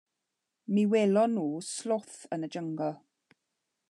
Mi welon nhw sloth yn y jyngl.